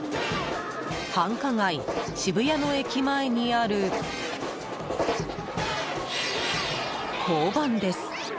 繁華街・渋谷の駅前にある交番です。